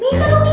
minta dong ini